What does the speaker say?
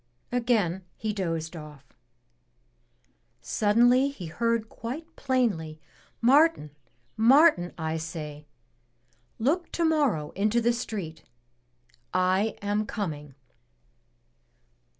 Again he dozed off. Suddenly he heard quite plainly, "Martin, Martin, I say! Look tomorrow into the street. I am coming."